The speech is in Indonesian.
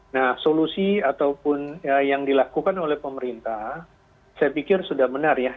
nah solusi ataupun yang dilakukan oleh pemerintah saya pikir sudah benar ya